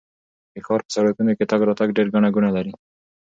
د ښار په سړکونو کې تګ راتګ ډېر ګڼه ګوڼه لري.